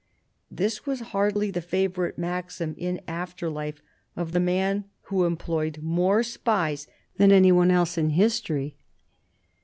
This was hardly the favourite maxim in after life of the man who employed more spies than any one else in history.